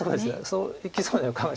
そういきそうな予感は。